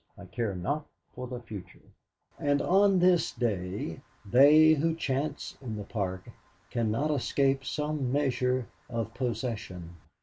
I care not for the Future!' And on this day they who chance in the Park cannot escape some measure of possession.